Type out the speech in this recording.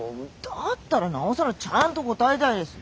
だったらなおさらちゃんと応えたいです。